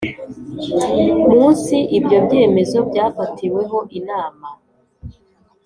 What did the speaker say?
munsi ibyo byemezo byafatiweho Inama